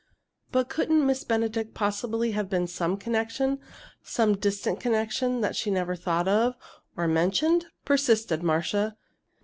"But couldn't Miss Benedict possibly have been some connection some distant connection that she never thought of or mentioned?" persisted Marcia.